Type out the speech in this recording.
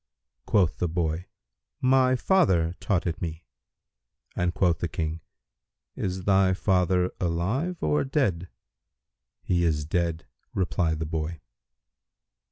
Quoth the boy, "My father taught it me;" and quoth the King, "Is thy father alive or dead?" "He is dead," replied the boy.